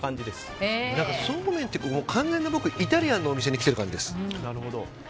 そうめんっていうより完全に僕、イタリアンのお店に来てる気分です。